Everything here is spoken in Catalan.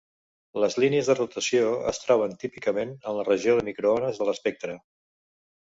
Les línies de rotació es troben típicament en la regió de microones de l'espectre.